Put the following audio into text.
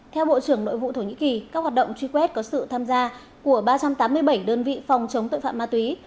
theo bộ trưởng nội vụ thổ nhĩ kỳ các hoạt động truy quét có sự tham gia của ba trăm tám mươi bảy đơn vị phòng chống tội phạm ma túy